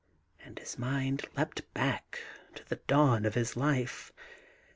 And his mind leapt back to the dawn of his life.